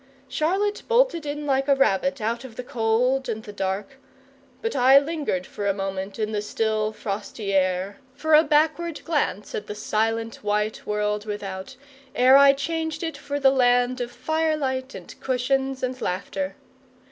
Charlotte bolted in like a rabbit, out of the cold and the dark; but I lingered a moment in the still, frosty air, for a backward glance at the silent white world without, ere I changed it for the land of firelight and cushions and laughter.